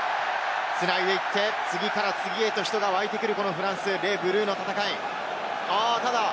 繋いでいって、次から次へと人が湧いてくるフランス、レ・ブルーの戦い。